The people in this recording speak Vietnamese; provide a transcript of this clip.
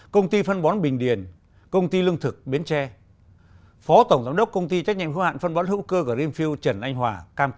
công ty phân bón bình điền phó tổng giám đốc công ty trách nhiệm hữu hạn phân bón hữu cơ greenfield trần anh hòa